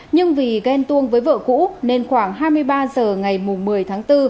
nhưng vì ghen tuông với vợ cũ nên khoảng hai mươi ba h ngày một mươi tháng bốn